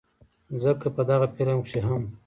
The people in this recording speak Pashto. ځکه په دغه فلم کښې هم